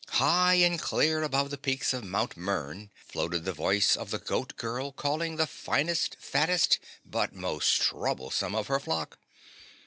High and clear above the peaks of Mt. Mern floated the voice of the Goat Girl calling the finest, fattest but most troublesome of her flock.